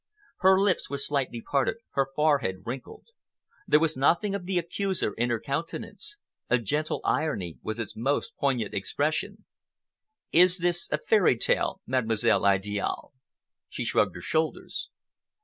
Her lips were slightly parted, her forehead wrinkled. There was nothing of the accuser in her countenance; a gentle irony was its most poignant expression. "Is this a fairy tale, Mademoiselle Idiale?" She shrugged her shoulders.